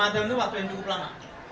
lima tahun itu waktu yang cukup lama